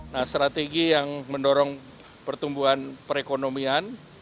nah strategi yang mendorong pertumbuhan perekonomian